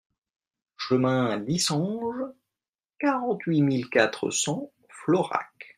Chemin d'Yssenges, quarante-huit mille quatre cents Florac